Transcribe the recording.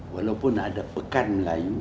walaupun ada pekan melayu